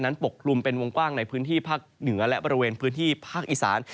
ปกกลุ่มเป็นวงกว้างในพื้นที่ภาคเหนือและบริเวณพื้นที่ภาคอีสาน